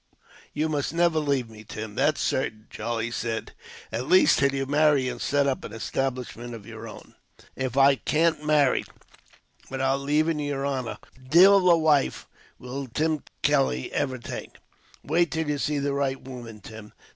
"You must never leave me, Tim, that's certain," Charlie said. "At least, till you marry and set up an establishment of your own." "If I can't marry without leaving yer honor, divil a wife will Tim Kelly ever take." "Wait till you see the right woman, Tim.